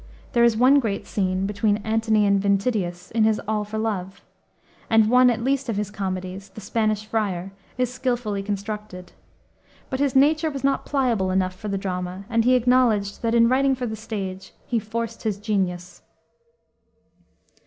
There is one great scene (between Antony and Ventidius) in his All for Love. And one, at least, of his comedies, the Spanish Friar, is skillfully constructed. But his nature was not pliable enough for the drama, and he acknowledged that, in writing for the stage, he "forced his genius."